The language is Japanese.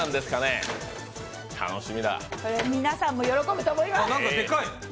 皆さんも喜ぶと思います。